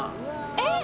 えっ？